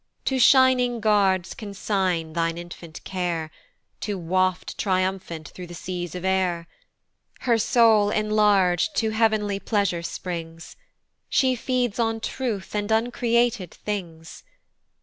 To shining guards consign thine infant care To waft triumphant through the seas of air: Her soul enlarg'd to heav'nly pleasure springs, She feeds on truth and uncreated things.